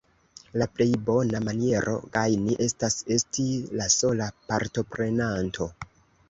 La plej bona maniero gajni estas esti la sola partoprenanto.